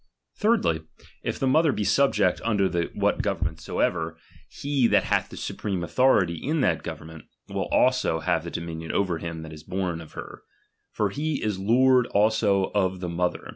Thirdly, if the mo ther be a subject under what government soever, he that hath the supreme authority in that govern ment, will also have the dominion over him that is bom of her ; for he is lord also of the mother, who TbB exposed inbntia his that preierTes him.